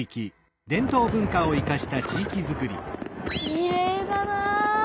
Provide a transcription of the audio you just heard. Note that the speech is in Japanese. きれいだな！